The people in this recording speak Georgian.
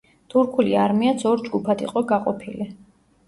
თურქული არმიაც ორ ჯგუფად იყო გაყოფილი.